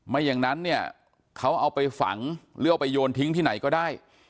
ไม่อย่างนั้นเนี่ยเขาเอาไปฝังหรือเอาไปโยนทิ้งที่ไหนก็ได้